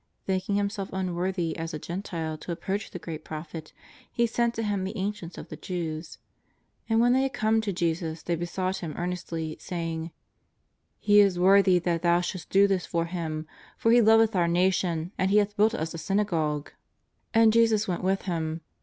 Thinking himself unworthy as a Gentile to ap proach the great Prophet, he sent to Him the ancients of the Jews. And when they had come to Jesus they be sought Him earnestly, saying: ^' He is worthy that Thou shouldst do this for him, for he loveth our nation and he hath built us a syna gogue.'' And Jesus went with them.